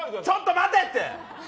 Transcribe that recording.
ちょっと待ってって！